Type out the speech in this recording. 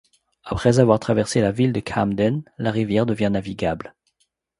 Après avoir traversé la ville de Camden, la rivière devient navigable.